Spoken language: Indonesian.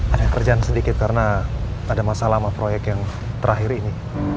ada kerjaan sedikit karena ada masalah sama proyek yang terakhir ini